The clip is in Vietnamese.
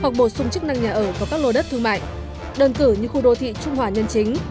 hoặc bổ sung chức năng nhà ở và các lô đất thương mại đơn cử như khu đô thị trung hòa nhân chính